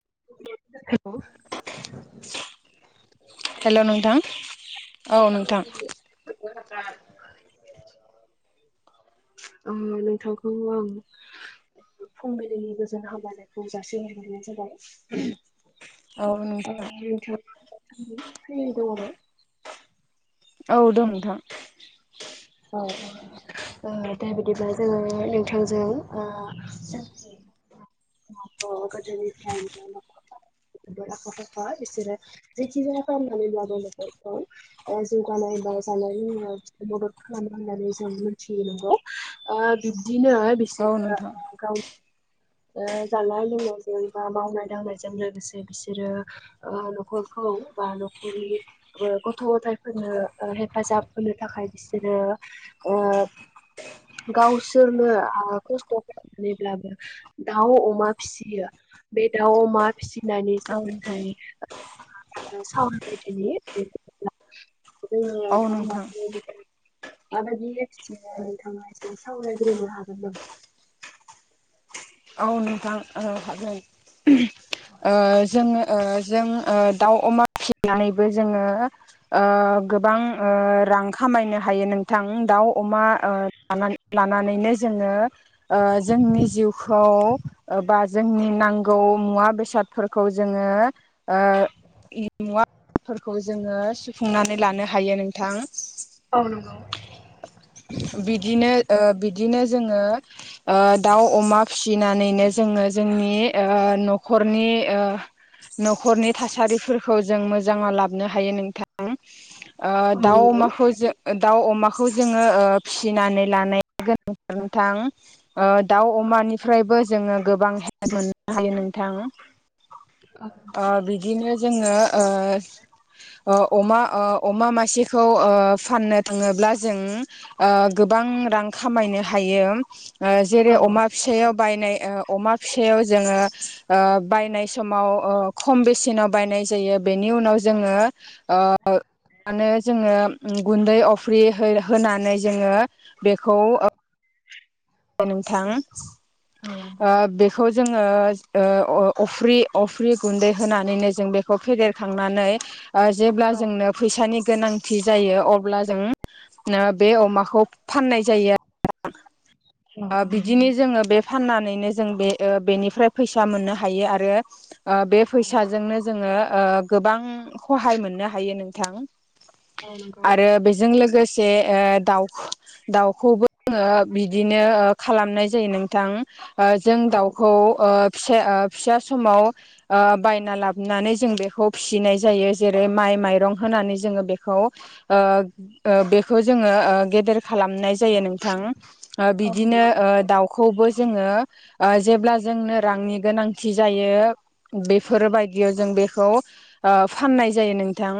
[inaudible] [unintelligible] हेल' नोंथां औ नोंथां [unintelligible] अ नोंथांखौ आं फुंबिलिनि गोजोन हामलायनायखौ जासिहरगोरनाय जाबाय औ नोंथां [inaudible] [unintelligible] औ दं नोंथां। औ, ओ दा बिदिब्ला जोङो नोंथांजों ओ, गोदोनिफ्राय [inaudible] आखा फाखा बिसोरो जेखि जाया खालामनानैब्लाब्लाबो न'खरखौ जौगानाय जानाय लोंनाय मदद खालामो होननानै जों मिथियो नंगौ, ओ बि दिनो औ बिसोरो, नोंथां ओ गावनि ओ जानाय लोंनायजों बा मावनाय दांनायजों लोगोसे बिसोरो ओ न'खर खौ बा न'खरनि गथ' गथायफोरनो हेफाजाब होनो थाखाय बि सोरो ओ गावसोरनो आ खस्थ' खालामनानैब्लाबो दाउ अमा फिसियो। बे दाउ अमा फिसि औ दानि नोंथां सोमोन्दै [inaudible] [unintelligible] आरो दाव औ अमाखौ नोंथां [inaudible] माबायदि एखि नोंथाङा एसे सावरायग्रोनो हागोन नामा? औ नोंथां औ हागोन, ओ जोङो जों ओ दाउ अमा फिसिनानैबो जोङो ओ गोबां ओ रां खामायनो हायो। नोंथां दाउ अमा ओ लानानै लानानैनो जोङो ओ जोंनि जिउ खौ बा जोंनि नांगौ मुवा बेसादफोरखौ जोङो ओ मुवाफोरखौ जोङो सुफुंनानै लानो हायो नोंथां। औ नंगौ बिदिनो ओ बि बिदिनो जोङो दाउ अमा फिसिनानैनो जोङो जोंनि ओ न'खरनि ओ न'खरनि थासारिफोरखौ जों मोजाङाव लाबनो हायो नोंथां। ओ औ दाउ नंगौ अमाखौ जों दाउ अमाखौ जोङो ओ फिसिनानै लानाया गोनांथार नोंथां। ओ दाउ अमानिफ्रायबो जोङो गोबां हेल्प मोननो हायो नोंथां। औ ओ बिदिनो जोङो ओ, ओ अमा ओ अमा मासेखौ ओ फाननो थाङोब्ला जों ओ गो गोबां रां खामायनो हायो। जेरै, औ अमा फिसायाव नाय ओ अमा फिसायाव जोङो ओ बायनाय समाव ओ खम बेसेनाव बायनाय जायो। यो बेनि उनाव जोङो ओ मानो जोङो गुन्दै अफ्रि हो-होनानै जोङो बेखौ नोंथां ओ बेखौ जोङो ओ अ-अफ्रि अफ्रि गुन्दै होनानैनो जों बेखौ फेदेरखांनानै औ जेब्ला जोंनो फैसानि गोनांथि जायो अब्ला जों बे अमाखौ फाननाय जायो आ औ औ बिदिनो जोङो बे फाननानैनो जों बे ओ बेनिफ्राय फैसा मोननो हायो आरो ओ बे औ फैसाजोंनो जोङो ओ गोबां खहाय मोननो हायो नोंथां। औ नंगौ। आरो बेजों लोगो जे ओ दाउ दाउखौबो बिदि नो खालामनाय जायो नोंथां जों औ दाउखौ फिसे ओ फिसा समाव ओ बायना लाबोनानै जों बेखौ फिसिनाय जायो जेरै माइ माइरं होनानै जोङो बेखौ ओ ओ बेखौ जोङो गेदेर खालामनाय जा जायो नोंथां ओ औ बिनोदिनो नंगौ। ओ दाउ खौबो जोङो ओ जेब्ला जोंनो रांनि गोनांथि जायो बेफोरबायदियाव जों बेखौ फाननाय जायो नोंथां।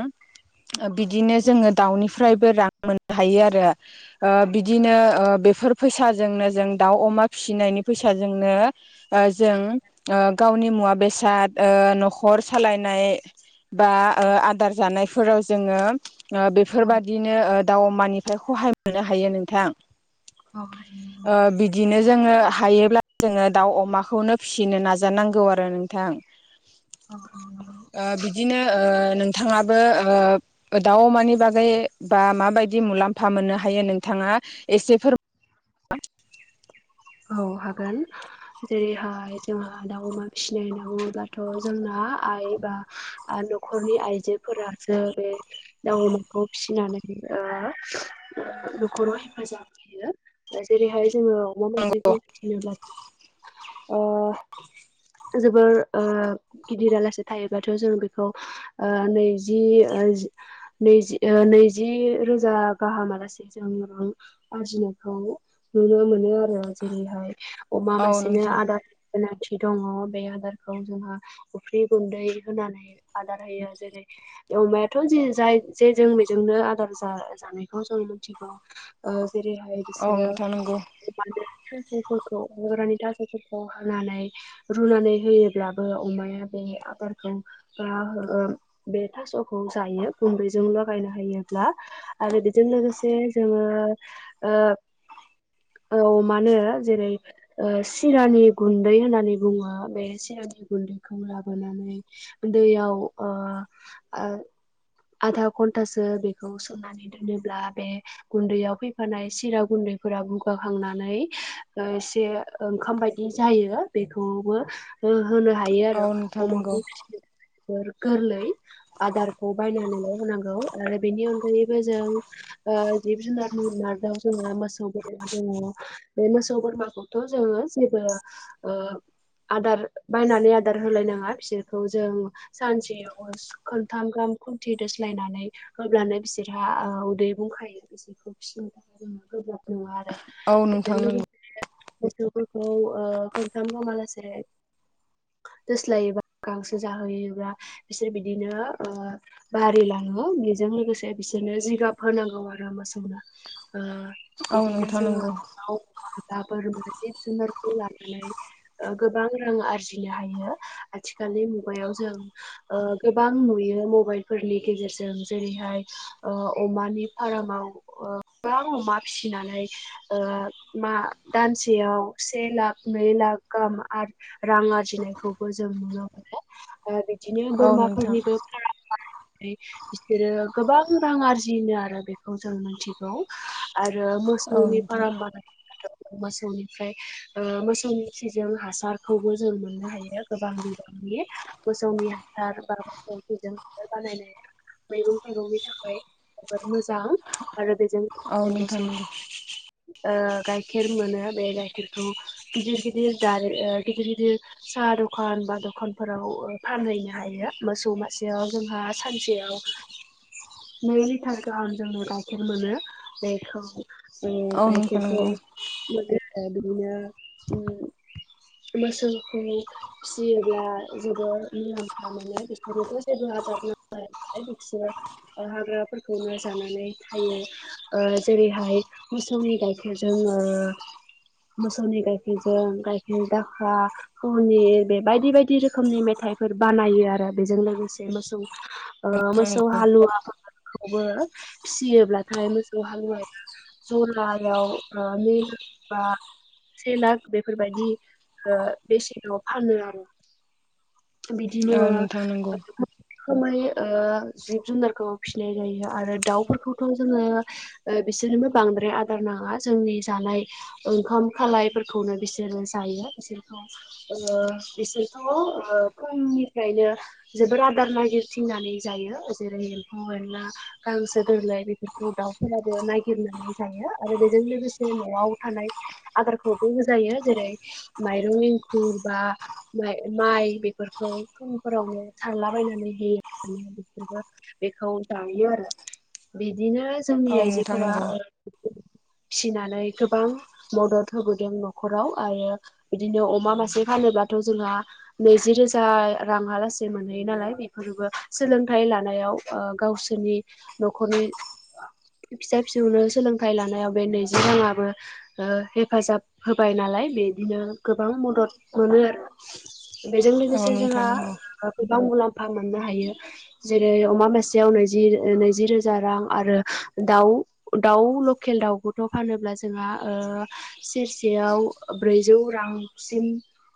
औ बिदिनो जोङो दाउनिफ्रायबो रां मोननो हायो आरो। ओ बिदिनो ओ बेफोर फैसाजोंनो जों दाउ अमा फिसिनायनि फैसाजोंनो जों गावनि मु मुवा बेसाद ओ न'खर सालायनाय बा आदार जानायफोराव जोङो ओ औ बेफोरबादिनो ओ दाउ मानिफ्राय खहाय मोननो हायो नोंथां? औ हायो बिदिनो जोङो हायोब्ला जोङो दाउ अमाखौनो फिसिनो नाजानांगौ आरो नोंथां। औ नंगौ ओ बिदिनो ओ नोंथाङाबो ओ दाउ अमानि बागै बा माबायदि मुलाम्फा मोननो हायो नोंथां एसे फोर औ हागोन। जेरैहाय जोंहा दाउ अमा फिसिनाय होनना बुङोब्लाथ' जोंना आ आइ बा आ न'खरनि आइजोफोरासो बे दाउ अमाखौ फिसिनानै ओ नखराव हेफाजाब होयो जेरैहाय जोङो अमा मासेखौ फोरमायनांगौ फिनोब्ला ओ जोबोर ओ गिदिरालासे थायोबाथ' जों बेखौ नैजि नैजि-नैजि-नैजि रोजा गाहामलासे जों रां आरजिनो खौ नुनो मोनो आरो जेरैहाय अमा औ मासेनो नोंथां आदार होनाय दङ बे आदारखौ जोहा अफ्रि गुन्दै होनानै आदार होयो जेरै अमायाथ' जे जाय जेजों बेजोंनो आदार जा-जानायखौ जों मिथियो। जेरैहाय औ बिसोरो नोंथां नंगौ अमानो थास'फोरखौ हाग्रानि थास'फोरखौ होनानै रुनानै होयोब्लाबो अमाया बे आबादखौ ओ हो बे थास'खौ जायो गुन्दैजों लगायना होयोब्ला आरो बेजों लोगोसे जोङो ओ औ। मानो जेरै ओ सिरानि गुन्दै होननानै बुङो बे सिरानि गुन्दैखौ लाबोनानै दैयाव ओ आ आधा घन्टासो बेखौ सोमनानै दोनोब्ला बे गुन्दैयाव फैफानाय सिरा गुन फोरा बुगाखांना नै ओ एसे ओंखाम बायदि जायो बेखौबो हो होनो हायो औ आरो नोंथां नंगौ अमाखौ फिनो गोरलै। आदारखौ बायनानैल' होनांगौ आरो बेनि अनगायैबो जों जिब जुनारनि बोरमाजों जोंहा मोसौ बोरमा दंङ। बे मोसौ बोरमाखौथ' जोङो जेबो ओ आदार बायनानै आदार होलायनाङा बिसोरखौ जों सानसेयाव खोनथाम गाहाम खुन्थि दोस्लायनानै होब्लानो बिसोरहा उदै बुंखायो। बिसोरखौ फिसिनो थाखाय जोङो गोब्राब नङा आरो औ बेजों नोंथां नंगौ लोगोसे, मोसौफोरखौ खनथाम हालासे दोस्लायोबा गांसो जाहोयोब्ला बिसोर बिदिनो बारि लाङो बि जों लोगोसे बिसोरनो जिगाब होनांगौ आरो मोसौनो औ बिदिनो नोंथां नंगौ जोङो। औ, [unintelligible] जिब जुनारखौ लानानै गोबां रां आरजिनो हायो। आथिखा खालि मुगायाव जों गोबां नुयो मबाइलफोरनि गेजेरजों जेरैहाय अमानि फारामाव गोबां अमा फिसिनानै मा दानसेयाव से लाख, नै लाख गाहाम आरो रां आरजिनायखौबो जों नुनो मोनो बिदिनो औ नोंथां बोरमाफोरनिबो फार्मआरि बिसोरो गोबां रां आरजिनो आरो बेखौ जों मिथिगौ आरो औ मोसौनि नोंथां फार्म बानायबाथ' मोसौनिफ्राय मोसौनि खिजों हासारखौबो जों मोननो हायो गोबां बिबां नि मोसौनि हासार बा मोसौजों हासार बानायनाय मैगं थाइगंनि थाखाय जबोद मोजां आरो बेजों औ बे नोंथां मोसौ नंगौ गाइखेर मोनो बे गाइखेरखौ गिदिर गिदिर जार गिदिर गिदिर साहा दखान बा दखानफोराव फानहैनो हायो मोसौ मासेयाव जोंहा सानसेयाव नै लिटारखौ आं जोंनो गाइखेर मोनो बेखौ औ नोंथां गायखेरखौ नंगौ मोनो बिदिनो मोसौखौ फिसियोब्ला जोबोर मुलाम्फा मोनो बिसोरनोथ' जेबो आ दार नांलाया बिसोरो हाग्राफोरखौनो जानानै थायो जे रैहाय मोसौनि गाइखेरजों मोसौनि गाइखेरजों गाइखेर दाखा [unintelligible] बे बायदि बायदि रोखोमनि मेथाय फोर बानायो आरो बेजों लोगोसे मोसौ मोसौ हालुवा खौबो फिसियोब्लाथाय मोसौ हालुवाया जरायाव नै लाख बा से लाख बेफोरबायदि बेसेनाव फानो आरो। औ नोंथां नंगौ औ बिदिनो नोंथां नंगौ औ नोंथां नंगौ रोखोमै जिब जुनारखौ फिसिनाय जायो आरो दाउफोरखौथ' जोङो बिसोरनोबो बांद्राय आदार नाङा जोंनि जानाय ओंखाम खालायफोरखौनो बिसोरो जायो बिसोर बिसोरथ' फुंनिफ्रायनो जोबोर आदार नागिरथिं नानै जायो जेरै एम्फौ एनला गांसो गोरलै बेफोरखौ दाउफोराबो नायगिरना नै आरो बेजों लोगोसे न'आव थानाय आदारखौबो होजायो जेरै माइरं एंखुर बा माइ बेफोरखौ फुंफोरावनो सारलाबायनानै होयो। बिसोरबो बेखौ जायो आरो बिदिनो औ जोंनि नोंथां आइजोफोरा [inaudible] फिसिनानै गोबां मदद होबोदों न'खराव आरो बिदिनो अमा मासे फानो ब्लाथ' जोंहा नैजि रोजा रांहालासे मोनहैयो नालाय बेफोरबो सोलोंथाइ ला नायाव गावसोरनि न'खनि फिसा फिसौनो सोलोंथाइ लानायाव बे नैजि राङाबो हेफाजाब होबाय नालाय बिदिनो गोबां मदद मोनो आरो बेजों लोगोसे जोंहा नंगौ गोबां मुलाम फा मोननो हायो जेरै अमा मासेयाव नैजि नैजि रोजा रां आरो दाउ दाउ लकेल दाउखौथ' फानोब्ला जोंहा सेरसेयाव ब्रैजौ रां सिम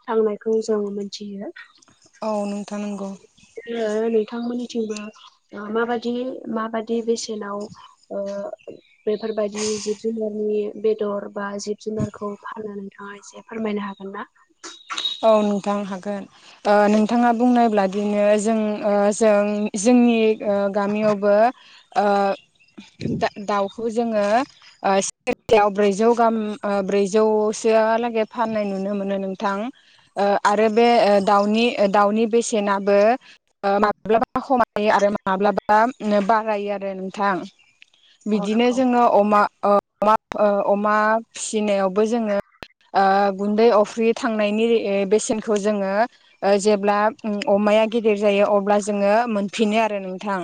थांनायखौ जों मोनथियो। औ नोंथा नंगौ। नोंथांमोननिथिंबो माबादि माबादि बेसेनाव बेफोरबायदि जिब जुनारनि बेदर बा जिब जुनारखौ फानना नोंथांआ एसे फोरमायनो हागोन ना औ नोंथां हागोन ओ नोंथाङा बुंनोब्ला बिदिनो जों ओं जों जोंनि ओ गामियावबो ओ दा दाउखौ जोङो ओ सेरसेयाव ब्रैजौ गाहाम ब्रैजौ सोहालागै फाननाय नुनो मोनो नोंथां ओ आरो बे ओ दाउनि दाउनि बेसेनाबो माब्लाबा खमायो आरो माब्लाबा बारायो आरो नोंथां औ बिदिनो नंगौ जोङो अमा अ अ अमा फिसिनायावबो जोङो गुन्दै अफ्रि थाङो मावनायनि ए बेसेनखौ ओ जोङो जेब्ला अमाया गिदिर जायो अब्ला जोङो मोनफनो आरो नोंथां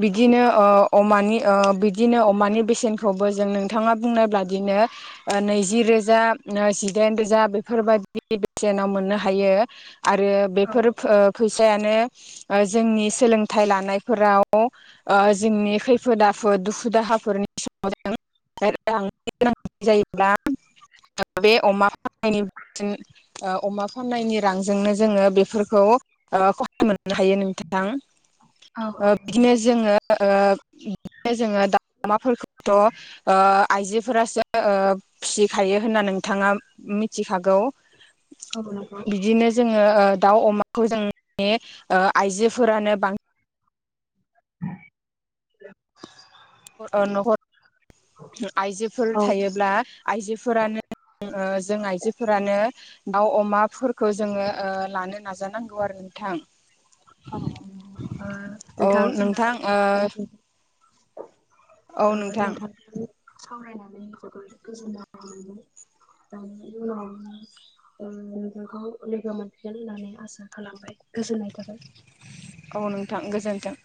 बिदिनो ओ अमानि अ बिदिनो अमानि बेसेनखौबो जों नोंथाङा बुंनाय ब्लादिनो नैजि रोजा नो जिदाइन रोजा बे बेफोरबायदि बेसेनाव मोननो हायो आरो बेफोर फै फैसायानो जोंनि ओ सोलोंथाइ लानायफोराव जोंनि ओ खैफोद आफोद दुखु दाहाफोरनि [inaudible] आरो आं गोनां जायोब्ला बे अमा [unintelligible] ओ अमा फाननायनि रांजोंनो जोङो बेफोरखौ खरसा मोननो हायो नोंथां ओ बिदिनो जोङो ओ बिदिनो जोङो दाउ अमाफोरखौथ' ओ आइजोफोरासो फिसिखायो होननि नोंथाङा मिथिखागौ औ नंगौ बिदिनो जोङो दाउ अमाखौ जोंनि ओ आइजोफोरानो बांसिन [inaudible] ओ नखर आइजोफोर औ थायोब्ला आइजोफोरानो ओ जों आइजोफोरानो दाउ अमाफोरखौ जोङो ओ लानो नाजानांगौ आरो नोंथां औ नोंथां ओ [unintelligible] औ ओ नोंथां नोंथांजों सावरायनानै जोबोर गोजोननाय मोनबाय ओं उनाव ओ नोंथांखौ लोगो मोनफिगोन होननानै आसा खालामबाय गोजोननाय थाबाय औ नोंथां गोजोन्थों